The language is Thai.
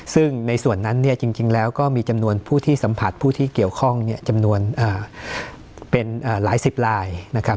ซึ่งในส่วนนั้นเนี่ยจริงแล้วก็มีจำนวนผู้ที่สัมผัสผู้ที่เกี่ยวข้องจำนวนเป็นหลายสิบลายนะครับ